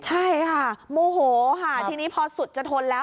ใช่ค่ะโมโหค่ะทีนี้พอสุดจะทนแล้ว